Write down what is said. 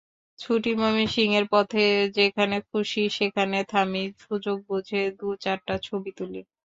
ছুটি ময়মনসিংহের পথে, যেখানে খুশি সেখানে থামি, সুযোগ বুঝে দু-চারটা ছবি তুলি।